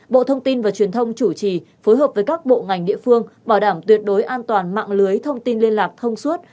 bộ thông tin và truyền thông chủ trì phối hợp với các bộ ngành địa phương bảo đảm tuyệt đối an toàn mạng lưới thông tin liên lạc thông suốt